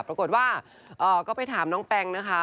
ปรากฏว่าก็ไปถามน้องแปงนะคะ